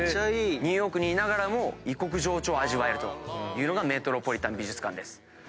ニューヨークにいながらも異国情緒を味わえるというのがメトロポリタン美術館です。